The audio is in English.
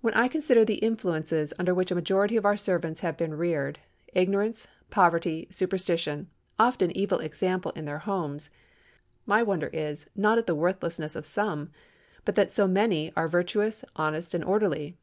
When I consider the influences under which a majority of our servants have been reared—ignorance, poverty, superstition, often evil example in their homes—my wonder is, not at the worthlessness of some, but that so many are virtuous, honest, and orderly.